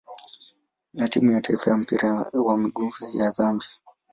na timu ya taifa ya mpira wa miguu ya Zambia.